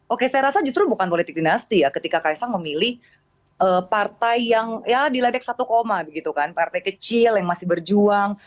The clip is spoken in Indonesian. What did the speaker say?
oke saya rasa justru bukan politik dinasti ya ketika kaisang memilih partai yang ya diledek satu koma begitu kan partai kecil yang masih berjuang